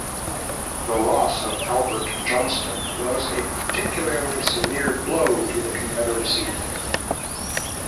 The loss of Albert Johnston was a particularly severe blow to the Confederacy.